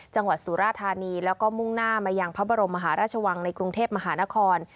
สุราธานีแล้วก็มุ่งหน้ามายังพระบรมมหาราชวังในกรุงเทพมหานคร